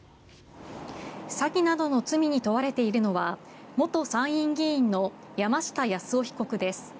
詐欺などの罪に問われているのは元参院議員の山下八洲夫被告です。